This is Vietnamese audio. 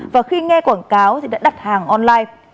và khi nghe quảng cáo thì đã đặt hàng online